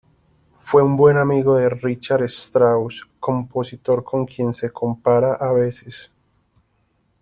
Fue un buen amigo de Richard Strauss, compositor con quien se compara a veces.